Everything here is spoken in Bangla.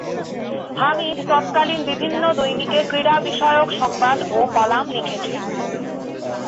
হামিদ তৎকালীন বিভিন্ন দৈনিকে ক্রীড়া বিষয়ক সংবাদ ও কলাম লিখেছেন।